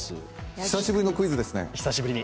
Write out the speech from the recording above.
久しぶりのクイズですね。